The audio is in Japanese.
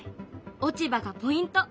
落ち葉がポイント！